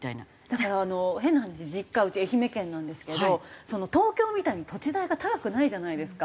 だから変な話実家うち愛媛県なんですけど東京みたいに土地代が高くないじゃないですか。